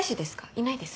いないです。